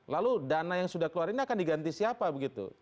lalu dana yang sudah keluar ini akan diganti siapa begitu